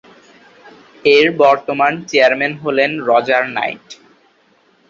এর বর্তমান চেয়ারম্যান হলেন রজার নাইট।